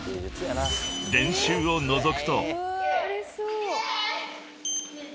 ［練習をのぞくと］